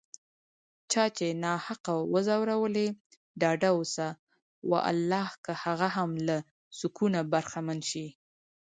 چا چې ناحقه وځورولي، ډاډه اوسه والله که هغه هم له سکونه برخمن شي